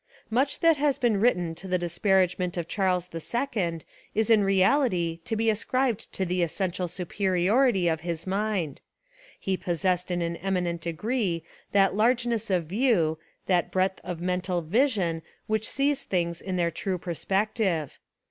Much that has been written to the disparage ment of Charles II is in reality to be ascribed to the essential superiority of his mind. He possessed in an eminent degree that largeness of view, that breadth of mental vision which sees things in their true perspective.